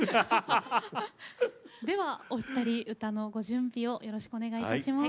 ではお二人歌のご準備をよろしくお願いいたします。